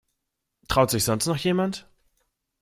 Traut sich sonst noch jemand?